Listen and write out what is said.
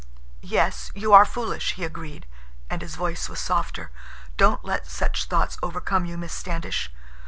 "Yes, you are foolish," he agreed, and his voice was softer. "Don't let such thoughts overcome you, Miss Standish.